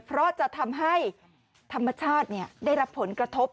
เพราะจะทำให้ธรรมชาติได้รับผลกระทบ